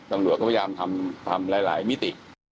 ตำรวจก็พยายามทำหลายมิติ